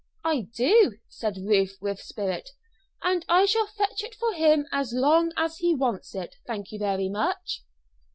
"I do," said Ruth, with spirit. "And I shall fetch it for him as long as he wants it. Thank you very much."